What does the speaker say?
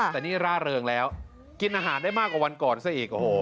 แต่นี่ร่าเริงแล้วกินอาหารได้มากกว่าวันก่อนซะอีกโอ้โห